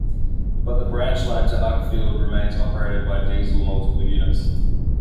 But the branch line to Uckfield remains operated by diesel multiple units.